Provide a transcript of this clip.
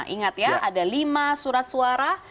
ingat ya ada lima surat suara